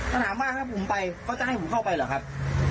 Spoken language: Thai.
ถ้าถามว่าถ้าผมไปเขาจะให้ผมเข้าไปเหรอครับ